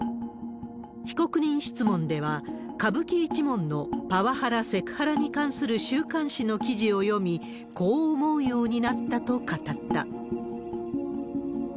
被告人質問では、歌舞伎一門のパワハラ、セクハラに関する週刊誌の記事を読み、こう思うようになったと語った。